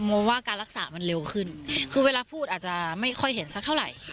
โมว่าการรักษามันเร็วขึ้นคือเวลาพูดอาจจะไม่ค่อยเห็นสักเท่าไหร่